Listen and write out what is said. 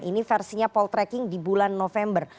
ini versinya poltreking di bulan november